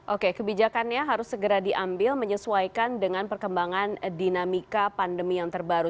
oke kebijakannya harus segera diambil menyesuaikan dengan perkembangan dinamika pandemi yang terbaru